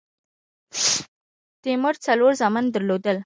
تیمور څلور زامن درلودل.